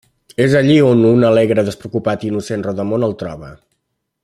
És allí on un alegre, despreocupat i innocent rodamón el troba.